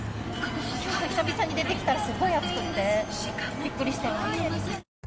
きょう久々に出てきたらすっごく暑くてびっくりしてます。